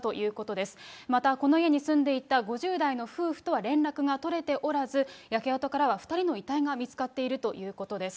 また、この家に住んでいた５０代の夫婦とは連絡が取れておらず、焼け跡からは２人の遺体が見つかっているということです。